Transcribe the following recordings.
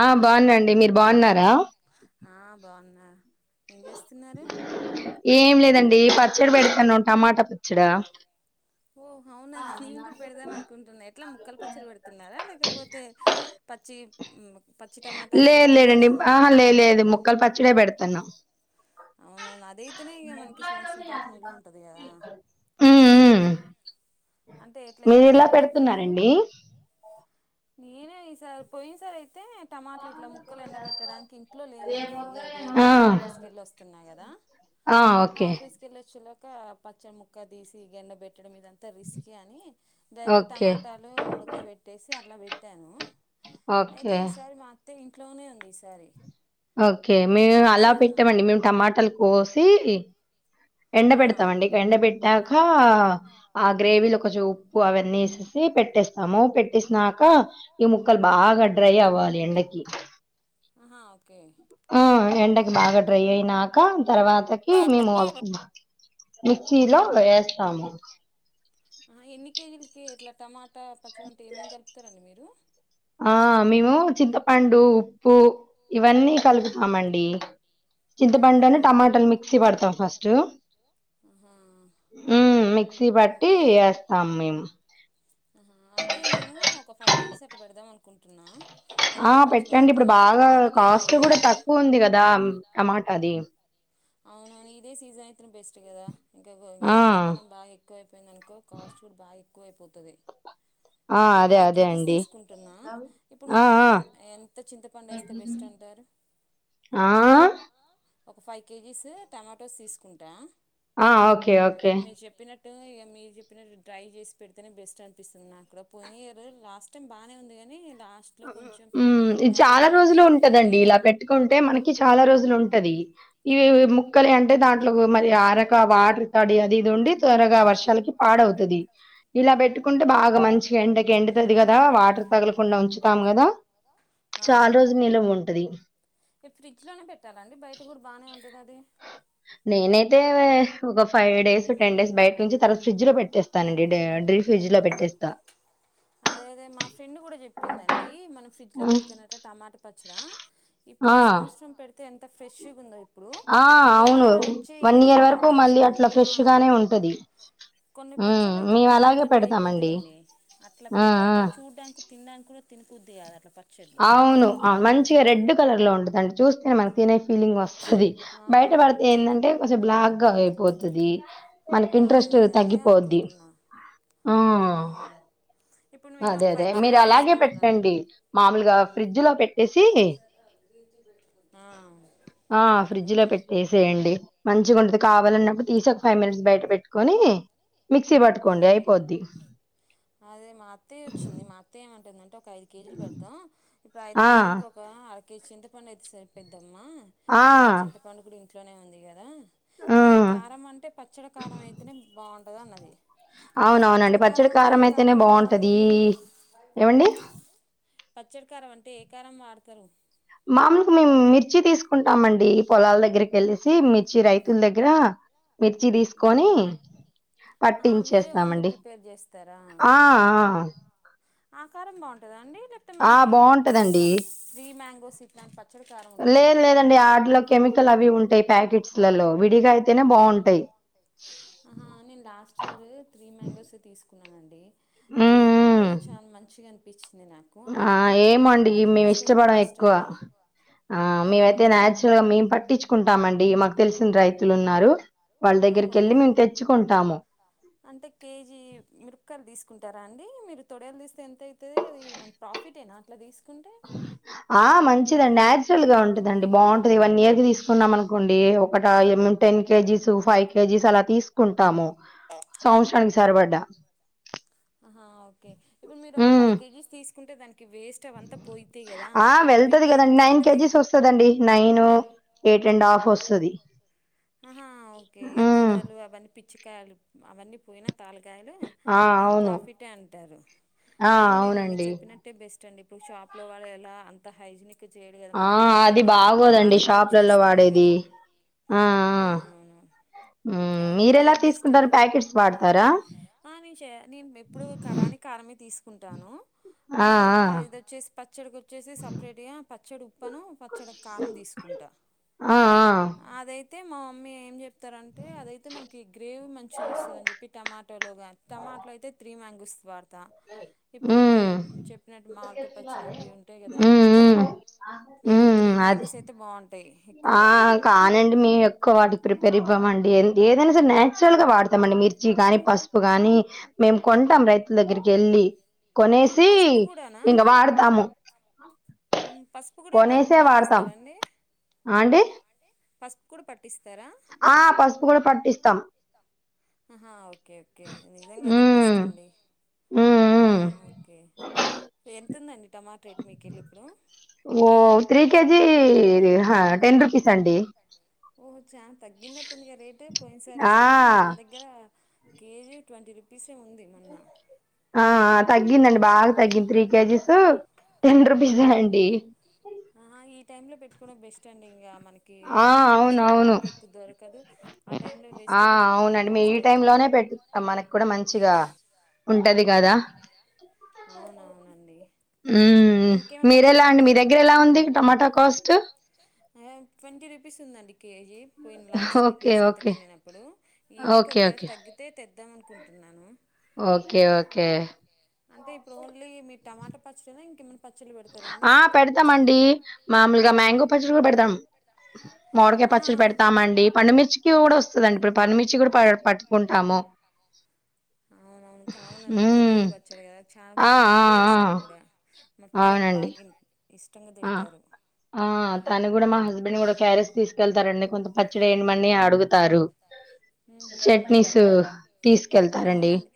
ఆ బాగుండండి మీరు బాగున్నారా ఏం చేస్తున్నారుా పచ్చడి పెడితన టమాట పచ్చడి ఓ అవునా నేను కూడా పెడదాం అనుకుంటున్నా ఎట్లా ముక్కలు పచ్చడి పెడుతున్నారా లేకపోతే పచ్చి పచ్చి టమాటాలు పెడుతున్నారా హ్మ్మ్ మీరు ఇలా పెడుతున్నారంండి నేనే ఈ సారీ పోయినా సారీ అయితే అయితే టమాటలు ఇట్లా ముక్కలు ఎండబెట్టడానికి ఇంట్లో లేనండి ఇక రోజు ఆఫీస్కి వెళ్ళి వస్తున్నాయి కదా ఆఫీస్కి వెళ్ళిొచ్చేలా కా పచ్చని ముక్క తీసి గెండె పెట్టి ఇక్కడ మీదంతా రిస్క్ చని డైరెక్టర్ టమాటాలు ఉడక పెట్టేసి తే అట్ల పెట్టాను అయితే ఈసారి మ తె ఇంట్లోనే ఉంది ఓకే మేము అలా పెట్టామండి మేము టమాటాలు కోసి ఎండబెడతామండి ఎండబెట్టక హ ఆ.. గ్రేవీలో కొంచం ఉప్పు అవన్నీ వేసేసి పెట్టేస్తాము పెట్టేసినాక ఈ ముక్కలు బాగా డ్రై అవ్వాలి ఎండకి హా ఓకే ఆ ఎండకి బాగా డ్రై అయినాక తర్వాతకి మేము అవుకుమ్మ మిర్చిలో వేస్తాము ఎన్ని కేజీలకి ఇట్లా టమాట తా పచ్చడా అంటే ఏమేం కలుపుతారు అండి మీరు చింతపండు ఉప్పు ఇవన్నీ కలుపుతామండి చింతపండును టమాటాలు మిక్సీ పడతావ్ ఫస్ట్ ఉమ్ మిక్సీ పట్టి వేస్తాము మేము ఆహా అంటే నేను ఒక ఫైవ్ కేజీ అట్లా పెడదామనుకుంటాను ఆ పెట్టండి ఇప్పుడు బాగా కాస్ట్ రేట్ కూడా తక్కువ ఉంది కదా టమాటా అది అవునవును ఇదే సీజన్ బెస్ట్ కదా ఇంకా బోర్గ్ ఎండాకాలం బాగా ఎక్కువైపోయిందనుకో కాస్ట్ కూడా బాగా ఎక్కువ అయిపోతుంది ఇప్పుడు ఒక ఫైవ్ కేజీస్ తీసుకుంటున్నా ఇప్పుడు మనం ఎంత చింతపండు వేస్తే బెస్ట్ అంటారు ఒక ఫైవ్ కేజీస్ టమాటోస్ తీసుకుంటా ఆ ఓకే ఓకే టు మీరు చెప్పినట్టు డ్రై చేసి పెడితేనే బెస్ట్ అనిపిస్తుంది నాకు కూడా పోయియరు లాస్ట్ టైం బానే ఉంది కానీ ఉమ్ ఇది చాలా రోజులు ఉంటదండి ఇలా పెట్టుకుంటే మనకి చాలా రోజులు ఉంటది ఇవి ముక్కలు అంటే దాంట్లో మల్ల అరక వాటర్ తడి అది ఇది ఉండి త్వరగా వర్షాలకి పాడవుతుది. ఇలా పెట్టుకుంటే బాగా మంచిగా ఎండకు ఎండుతది కదా వాటర్ తగలకుండా ఉంచు తాము కదా ఆ ఫ్రిడ్జ్ లోనే పెట్టాలా అండి బయట కూడా బాగనే ఉంటది టెన్ డేస్ బయట నుంచి తర్వాత ఫ్రిజ్లో పెట్టేస్తానండి డి ఫ్రిజ్లో పెట్టేస్తా అదే అదే మా ఫ్రెండ్ కూడా చెప్పిందండి మనం ఫ్రిజ్లో లో పెడుతునట్టు టమాట పచ్చడా ఇప్పుడు ఈ సంవత్సరం పెడితే ఎన్ త ఫ్రెష్ి ఉందంది ఇప్పుడు మళ్ళా వచ్చే ఇయర్ ఈ టైం చూసినా ఆ కొన్ని పచ్చళ్లు అయితే బ్లాక్ అట్లా అయిపోతాయండి అట్లా పె అట్లా చూడ్డానికి తినడానికి కుద్ది కాదు అట్ల పట్ అవును ఆ మంచిగా రెడ్ కలర్ లో ఉండు దాని చూస్తే మనకి తినే ఫీలింగ్ వస్ అది బయట పెడితే ఏంటంటే కొంచెం బ్లాక్ కా పోతుది మనకి ఇంట్రెస్ట్ తగ్గిపోద్ది ఆ అదే అదే మీరు అలాగే పెట్టండి మామలుగా ఫ్రిడ్జి లో పెట్టేసి ఆ ఫ్రిడ్జ్ లో పెట్టేసేయండి మంచిగా ఉంటది కావాలన్నప్పుడు తీసి ఒక ఫైవ్ మినిట్స్ బయట పెట్టుకొని మిక్సీ పట్టుకోండి అయిపోద్ది మా అత్తయ్య వచ్చింది మా అత్తయ్యమంటుందంటే ఒక ఐదు కేజీలు పెడదాం ఇప్పుడు ఐదు కేజీలకి ఒక చింత పండు అయితే స పెద్ద అమ్మా ఇట్లా చింత పండు కూడా ఇంట్లోనే ఉంది కదా ఇక కారం అంటే పచ్చడి కారం అయితేనే బా ఏమన్నది అవునవునండి పచ్చడి కారం అయితేనే బాగుంటది ఏవండి పచ్చడి కారం అంటే ఏ కారం వాడతారు మామలుగా మేము మిర్చి తీసుకుంటామండి పొలాల దగ్గరకి వెళ్ళసి మిర్చి రైతుల దగ్గర మిర్చి తీసుకొని పట్టించేస్తామండి ఆ ఆ ఆకారం బాగుంటుంద అండి ఆ బాగుంటదండి లేదు లేదండి ఆటిలో కెమికల్ అవి ఇవి ఉంటాయి ప్యాకెట్ స్ లలో విడిగా అయితేనే బాగుంటాయి ఆహా నేను లాస్ట్ ఇయర్ త్రీ మ్యాంగోస్ తీసు కున్నానండి గ్రేవీ కూడా చాన్ మంచిగా అన్ పిచ్ ఆ ఏమో అండి మేము ఇష్టపడమ్ ఎక్కువ ఆ మేమయితే నాచురల్ గా మేము పట్టించుకుంటామన్ అండి మాకు తెలిసిన రైతులు ఉన్నారు అహో అంటే కేజీ మిరకాయలు తీసుకు కుంటారా అండి మీరు తొడలు తీస్తే ఎంత అవుతది అది మన ప్రాఫిట్ ఏనా అట్ల తీస్ నచురల్ గా ఉంటదండి బాగుంటుది వన్ ఇయర్ కి తీసుకున్నాం అనుకోండి ఒక ట ఎన్ని ఉంటాయి టెన్ కేజీస్ ఫైవ్ కేజీస్ అలా తీసుకుంటాము సంవత్సరానికి సరిపడ్డా ఆహా ఓకే ఇప్పుడు మీరు ఒక ఫైవ్ కేజీస్ తీస్ కుంటే దాని ఆ వెళ్తది గదండి నైన్ కేజీస్ వస్తదండి నైన్ ఎయిట్ అండ్ హాఫ్ వస్ సది ఆహా ఓకే తొడలు అవన్నీ పిచ్చు కాలు అవన్నీ పోయినా తాలు గాయలు మన ప్రాఫిటే అంటారు అవునులేండి మీ చెప్పినట్టే బెస్ట్ చండి ఇప్పుడు షాప్ లో వాళ్ళు ఎలా అంత హైజనిక్ ఆ అది బాగోదండి షాపులలో వాడేది ఆ అవునవును అవునండి ఇదే బెస్ట్ హ నే నేను ఎప్పుడు కరాని కారంమే తీసు కుంటాను మర్ ళ్ళా ఇది వచ్చేసి పచ్చడికి వచ్చేసి సపరేట్ య పచ్చడి ఉ పను పచ్చడి కారం తీసుకుంటా అదై అయితే మా మమ్మీ ఏం చెప్ స్తారంటే అది అయితే మనకి గ్రేవు మంచిగా వస్తది అని చెప్పి టమాటో లోగా టమాటో అయితే త్రీ మ్యాంగ్ ఉస్వార్ తా ఇప్పుడు మీరు చెప్పినట్టు మార్ కేపు పచ్చడి ఇవి ఉంటాయి గదా వీటికి త్రీ మ్యాంగస్ అయితే బాగుంటాయి ఎక్కువగా నీ మీ ఎక్కువ వాటికి ప్రిపేర్ ఇవ్వమండి ఎంతు ఏదైనా సరే నాచురల్ గా వాడతా మండి మిర్చి గాని పసుపు గాని మేము కొంటాం రైతుల దగ్గరికి వెళ్ళి కొనేసి ఇంక వాడతాము కొనేసే వాడతాం అండి కుడుపట్టు పట్టిస్తారా ఓకే ఓకే నిజంగా అదే బెస్ట్ అండి ఆ ఓకే తదండి టమాట ఎటు మీకు వెళ్ళి ఇప్పుడు ఓ త్రీ కేజి ది హ ఆ టెన్ రుపీస్ అండి ఓహో చానా తగ్గింఅట్ రేటు పోయిన్సారి ఈసారికి మా దగ్గర కేజీ ట్వంటీ రూపీస్ ఆ టెన్ రుపీస్ అండి ఆహా ఈ టైమ్ లో పెట్టుకోవడం బెస్ట్ అండి ఇంకా మ ఆ అవును అవును ఆ అవునండి మేము ఈ టైమ్ లోనే పెట్టుకుంటాం మనకు కూడా మంచిగా ఉంటది కదా ఉమ్ మీరు ఎలా అండి మీ దగ్గర ఎలా ఉంది టమాటా కాస్ట్ ట్వంటీ రూపీస్ ఉందండి కేజీ పోయిన లాస్ట్ వీక్ ని సంతక వెళ్ళినప్పుడు ఈ వీక్ ఒకవేళ తగ్గితే వద్దాం అనుకుంటున్నాను ఓకే ఓకే అంటే ఇప్పుడు ఓన్లీ మీ టమాటా పచ్చడి ఇంక ఆ పెడతామండి మామూలుగా మ్యాంగో పచ్చడి కూడా పెడుతాం మామిడికాయ పచ్చడి పెడతామండి పండుమిర్చికి కూడా వస్తుందండి ఇప్పుడు పండుమిర్చి కూడా ప పట్టుకుంటాము అవునవును అవునండి కొరివి పచ్చడి కదా చాలా బాగుంటది టేస్ట్ కూడా మన పిల్లలకి బాగా ఆ తను కూడా మా హస్బెండ్ కూడా క్యార తీసుకెళ్తారండి కొంత పచ్చడి వేయమని అడుగుతారు ఉహూ అవునండి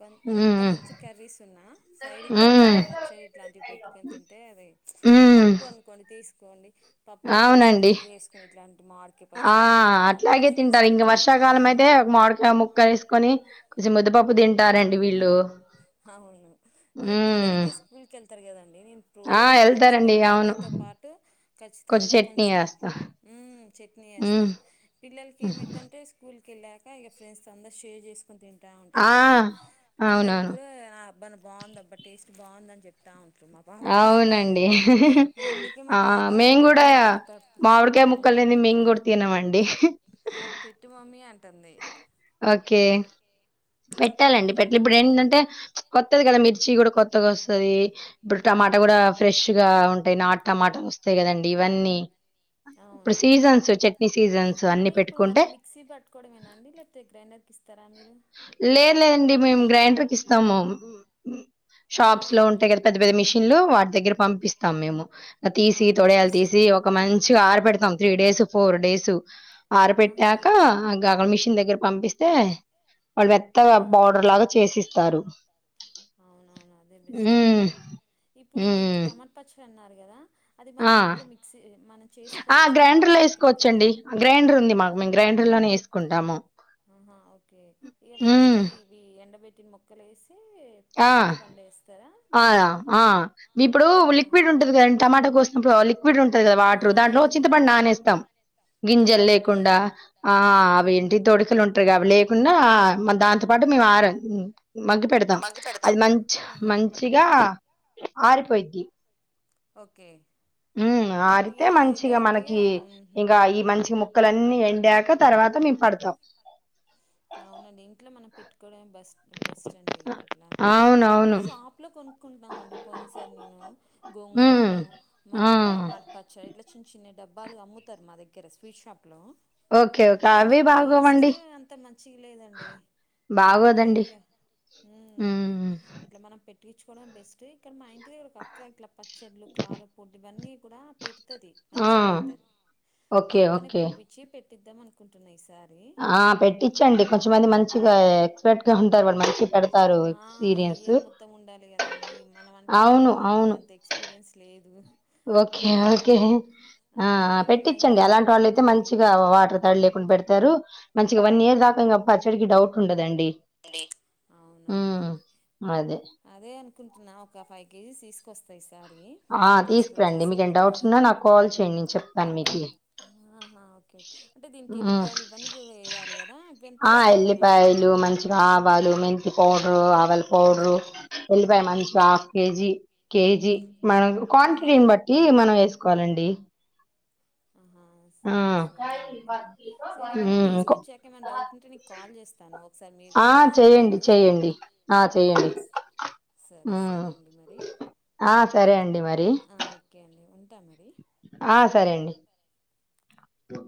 కొ ఎంత మంచి కర్రీస్ ఉన్నా సైడ్ కి ఇట్ట పచ్చడి ఇట్లాంటివి పెట్టుకొని తింటే అది అంటే పప్పు అనుకోండి తీసి సుకోండి పప్పులో కొంచెం నెయ్యి వేసుకుని ఇలాంటి మామిడికాయ పచ్చడి కాని టమాట పచ్చడి వేసుకొ కాలం అయితే ఒక మామిడి కాయ ముక్క వేసుకొని ముద్దపప్పు తింటారండి వీళ్ళు అవును ఈ పిల్లలకి స్కూల్ కి వెళ్తారు కదం నేను రోజు బాక్స్ లో కర్రీ తో పాటు ఖచ్చితంగా కొంచెం ఉమ్ చట్నీ వేస్తాను పిల్లలకి ఏమవుతుందాంటే స్కూల్ కెల్లాక ఇక ఫ్రెండ్స్ కి అంతా షేర్ చేస్తాం తింటా ఉంటారు కదా పిల్లలు అబ్బా బాగుంది అబ్బ టేస్ట్ బాగుంద అని చెప్తాను అవునండి ఆ మేము కూడా మామిడికాయ ముక్కలది మేము కూడా తినమండి పెట్టు మమ్మీ అంట ఓకే పెట్టాలండి పెట్లే ఇప్పుడు ఏంటంటే కొత్త వస్తుది కదా మిర్చి కూడా కొత్తగా వస్తుంది ఇప్పుడు టమాటా కూడా ఫ్రెష్ గా ఉంటాయి నాట్ టమాటాలు వస్తాయి కదండి ఇవన్నీ ఇప్పుడు సీజన్స్ చట్నీ సీజన్స్ అన్ని పెట్టుకుంటే లే లేదండి మేము గ్రైండర్కి ఇస్తాము ఉమ్ ఉ షాప్స్ లో ఉంటాయి కదా పెద్ద పెద్ద మిషన్లు వాటి దగ్గర పంపిస్తాం మేము తీసి తొడయలు తీసి ఒక మంచిగా ఆర పెెడతాం త్రీ డేస్ ఫోర్ డేస్ ఆర పెెట్టాక మిషన్ దగ్గర పంపిస్తే వాళ్ళు మత్త బౌడర్ లాగా చేసిస్తారు ఉమ్ ఉమ్ కదా ఆ ఆ గ్రైండర్ లో వేసుకోవచ్చండి గ్రైండర్ ఉంది మాకు మేము గ్రైండర్ లోనే వేసుకో కుంటాము ఆహా ఓకే ఇక ఫస్ట్ ఇవి ఎండబెట్ టి మొక్కలే ఎస్ ఏ చింతపండుగ వేస్తారా ఆ ఆ ఇప్పుడు లిక్విడ్ ఉంటది కద టమాటా కోసినప్పుడు లిక్విడ్ ఉంటది కదా వాటర్ దాంట్లో చింతపడి నానేస్తాం గింజలు లేకుండా ఆ అవి ఇంటి తోటి లు ఉంటారు కదా అవిలేకుండా దాంతో పాటు మేము ఆరం మగ్ పెడతాం అది మంచి మంచిగా ఆరుపోయిద్ది ఓకే ఉ ఆరితే మంచిగా మనకి ఇంకా ఈ మంచి ము ముక్కలన్నీ ఎండాక తర్వాత మేము పడతాం అవునండి ఇంట్లో మనం పెట్టు బెస్ట్ బెస్ట్ అండి ఇట్ల ఇప్పుడు షాప్ లో కొనుక్కుంటున్నాం అండి పోయిన సార్ నేను గోంగురాను మళ్ళీ ఇట్లా టమాట పచ్చడి ఇట్లా చిన్న చిన్న డబ్బాలుగా అమ్ముతారు మా దగ్గర స్వీట్ షాప్లో ఓకే ఓకే అవి బాగగోవండి మంచీగా లేధా అండీ అందుకే ఇగా ఉమ్ అండి ఇట్లా మనం ట్టించుకోవడం బెస్ట్ ఇక్కడ మా ఇ ఇంటి ధాగ్రా ఒక అక్క ఇట్లా పచ్చడ్లు కారు పోట్ ఇవన్నీ కూడా పెతుది మంచి పెడతది అక్కనే పిలిపించి పెట్ ిద్దాం అనుకుంటున్నాయి ఆ పెట్టి ఉంచండి కొంచెం మంది మంచిగా ఎక్స్పర్ట్ గా ఉంటారు వారు మంచి పె ఆ ఇయర్ మొత్తం ఉండాలి కదండి మనం అంటే అంత నాకు అంత ఎక్స్పీరియన్స్ లేదు ఓకే ఓకే ఆ పెట్టిచండి అలాంటి వాళ్ళయితే మంచిగా వాటర్ తడి లేకుండా పెడతారు మంచిగా వన్ ఇయర్ దాక ఇంగ పచ్చడికి డౌట్ ఉండదండి అవునవునండి అదే అనుకుంటున్నాను ఒక ఫైవ్ కేజీస్ తీసుకొస్తా రెస్ ఆ తీస్కురండి మీకు ఎన్ని డౌట్స్ ఉన్నా నాకు కాల్ చేయ్యడి నేను చెప్తాను మీకు ఆహా ఓకే ఓకే అంటే దీనికి ఎళ్ల్లిపాయలు ఇవన్నీ కూడా వెయాలి కదా ఇవి ఎంత వేస్తార ఏమనా ఐడియా ఉందా మెంతి పౌడరు ఆవల పౌడరు వెల్లుల్లిపాయ మంచు హాఫ్ కేజీ కేజీ మనం క్వాంటిటీని బట్టి మనం వేసుకోవాలండి హా సరే సరేనండి సరే నండి నేను తీసుకొచ్చాకేమైనా డౌట్ ఉంటే నీకు కాల్ చేస్తాను ఒకసారి మీరు కూడా వచ్చి చూద్దురు సరే సరే అండి మరి ఓకే అండి ఉంటా మరి ద